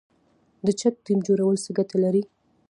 د چک ډیم جوړول څه ګټه لري؟